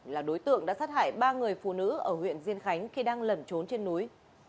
là đối tượng đã sát hại ba người phụ nữ ở huyện diên khánh khi đang lẩn trốn trên núi